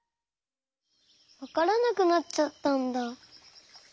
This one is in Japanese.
わからなくなっちゃったんだ。